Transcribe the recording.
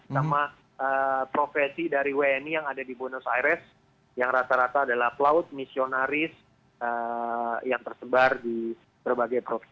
sama profesi dari wni yang ada di buenos aires yang rata rata adalah pelaut misionaris yang tersebar di berbagai provinsi